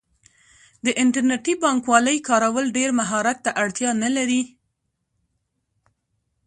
د انټرنیټي بانکوالۍ کارول ډیر مهارت ته اړتیا نه لري.